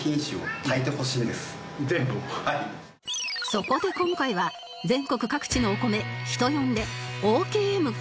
そこで今回は全国各地のお米人呼んで ＯＫＭ４７ が集結